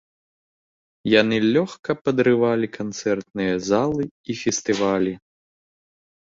Яны лёгка падрывалі канцэртныя залы і фестывалі.